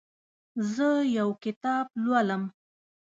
زه یو کتاب لولم.